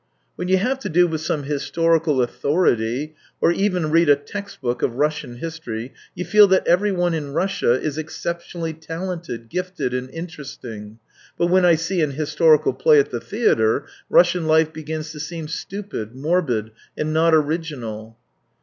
When you have to do with some historical author ity or even read a textbook of Russian history, you feel that everyone in Russia is exceptionally talented, gifted, and interesting; but when I see an historical play at the theatre, Russian life begins to seem stupid, morbid, and not original."